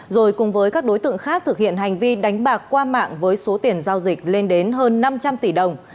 rồi cùng với các đối tượng khác thực hiện hành vi đánh bạc qua mạng với số tiền giao dịch lên đến hơn năm trăm linh tỷ đồng